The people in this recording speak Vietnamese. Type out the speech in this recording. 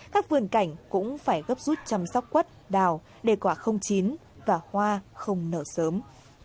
các vườn cảnh cũng phải gấp rút chăm sóc quất đào để quả không chín và hoa không nở sớm